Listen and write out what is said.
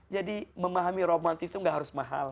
jadi memahami romantis itu gak harus mahal